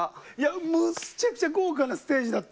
むっちゃくちゃ豪華なステージだった！